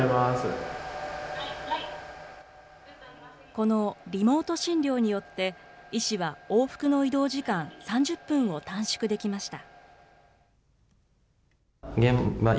このリモート診療によって、医師は往復の移動時間３０分を短縮できました。